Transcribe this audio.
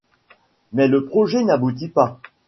Mais le projet n'aboutit pas.